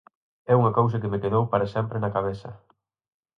É unha cousa que me quedou para sempre na cabeza.